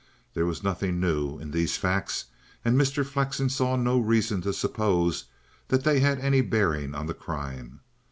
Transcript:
There was nothing new in these facts, and Mr. Flexen saw no reason to suppose that they had any bearing on the crime.